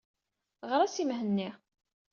Ɣer-as i Mhenni.